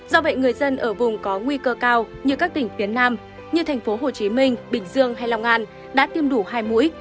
do vậy người dân ở vùng có nguy cơ cao như các tỉnh phía nam như tp hcm bình dương hay long an đã tiêm đủ hai mũi